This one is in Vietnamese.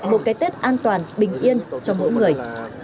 một cái tết an toàn bình yên cho mỗi người